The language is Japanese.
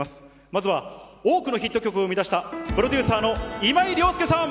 まずは、多くのヒット曲を生み出した、プロデューサーの今井了介さん。